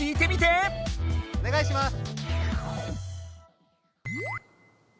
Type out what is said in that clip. おねがいします！